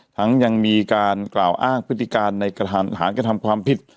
ยังมีการกล่าวอ้างพฤติการในฐานกระทำความผิด